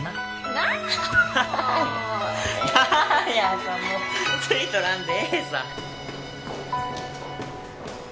何やさもうついとらんでええさ